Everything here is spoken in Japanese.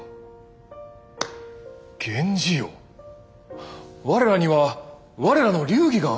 源氏よ我らには我らの流儀があろう。